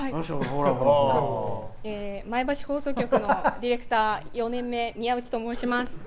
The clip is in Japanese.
前橋放送局のディレクター４年目みやうちと申します。